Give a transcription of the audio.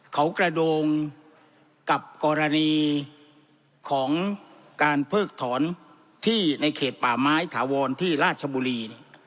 เขากระโดงกับกรณีของการเพิกถอนที่ในเขตป่าไม้ถาวรที่ราชบุรี